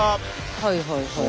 はいはいはい。